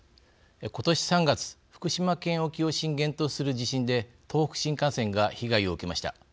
今年３月福島県沖を震源とする地震で東北新幹線が被害を受けました。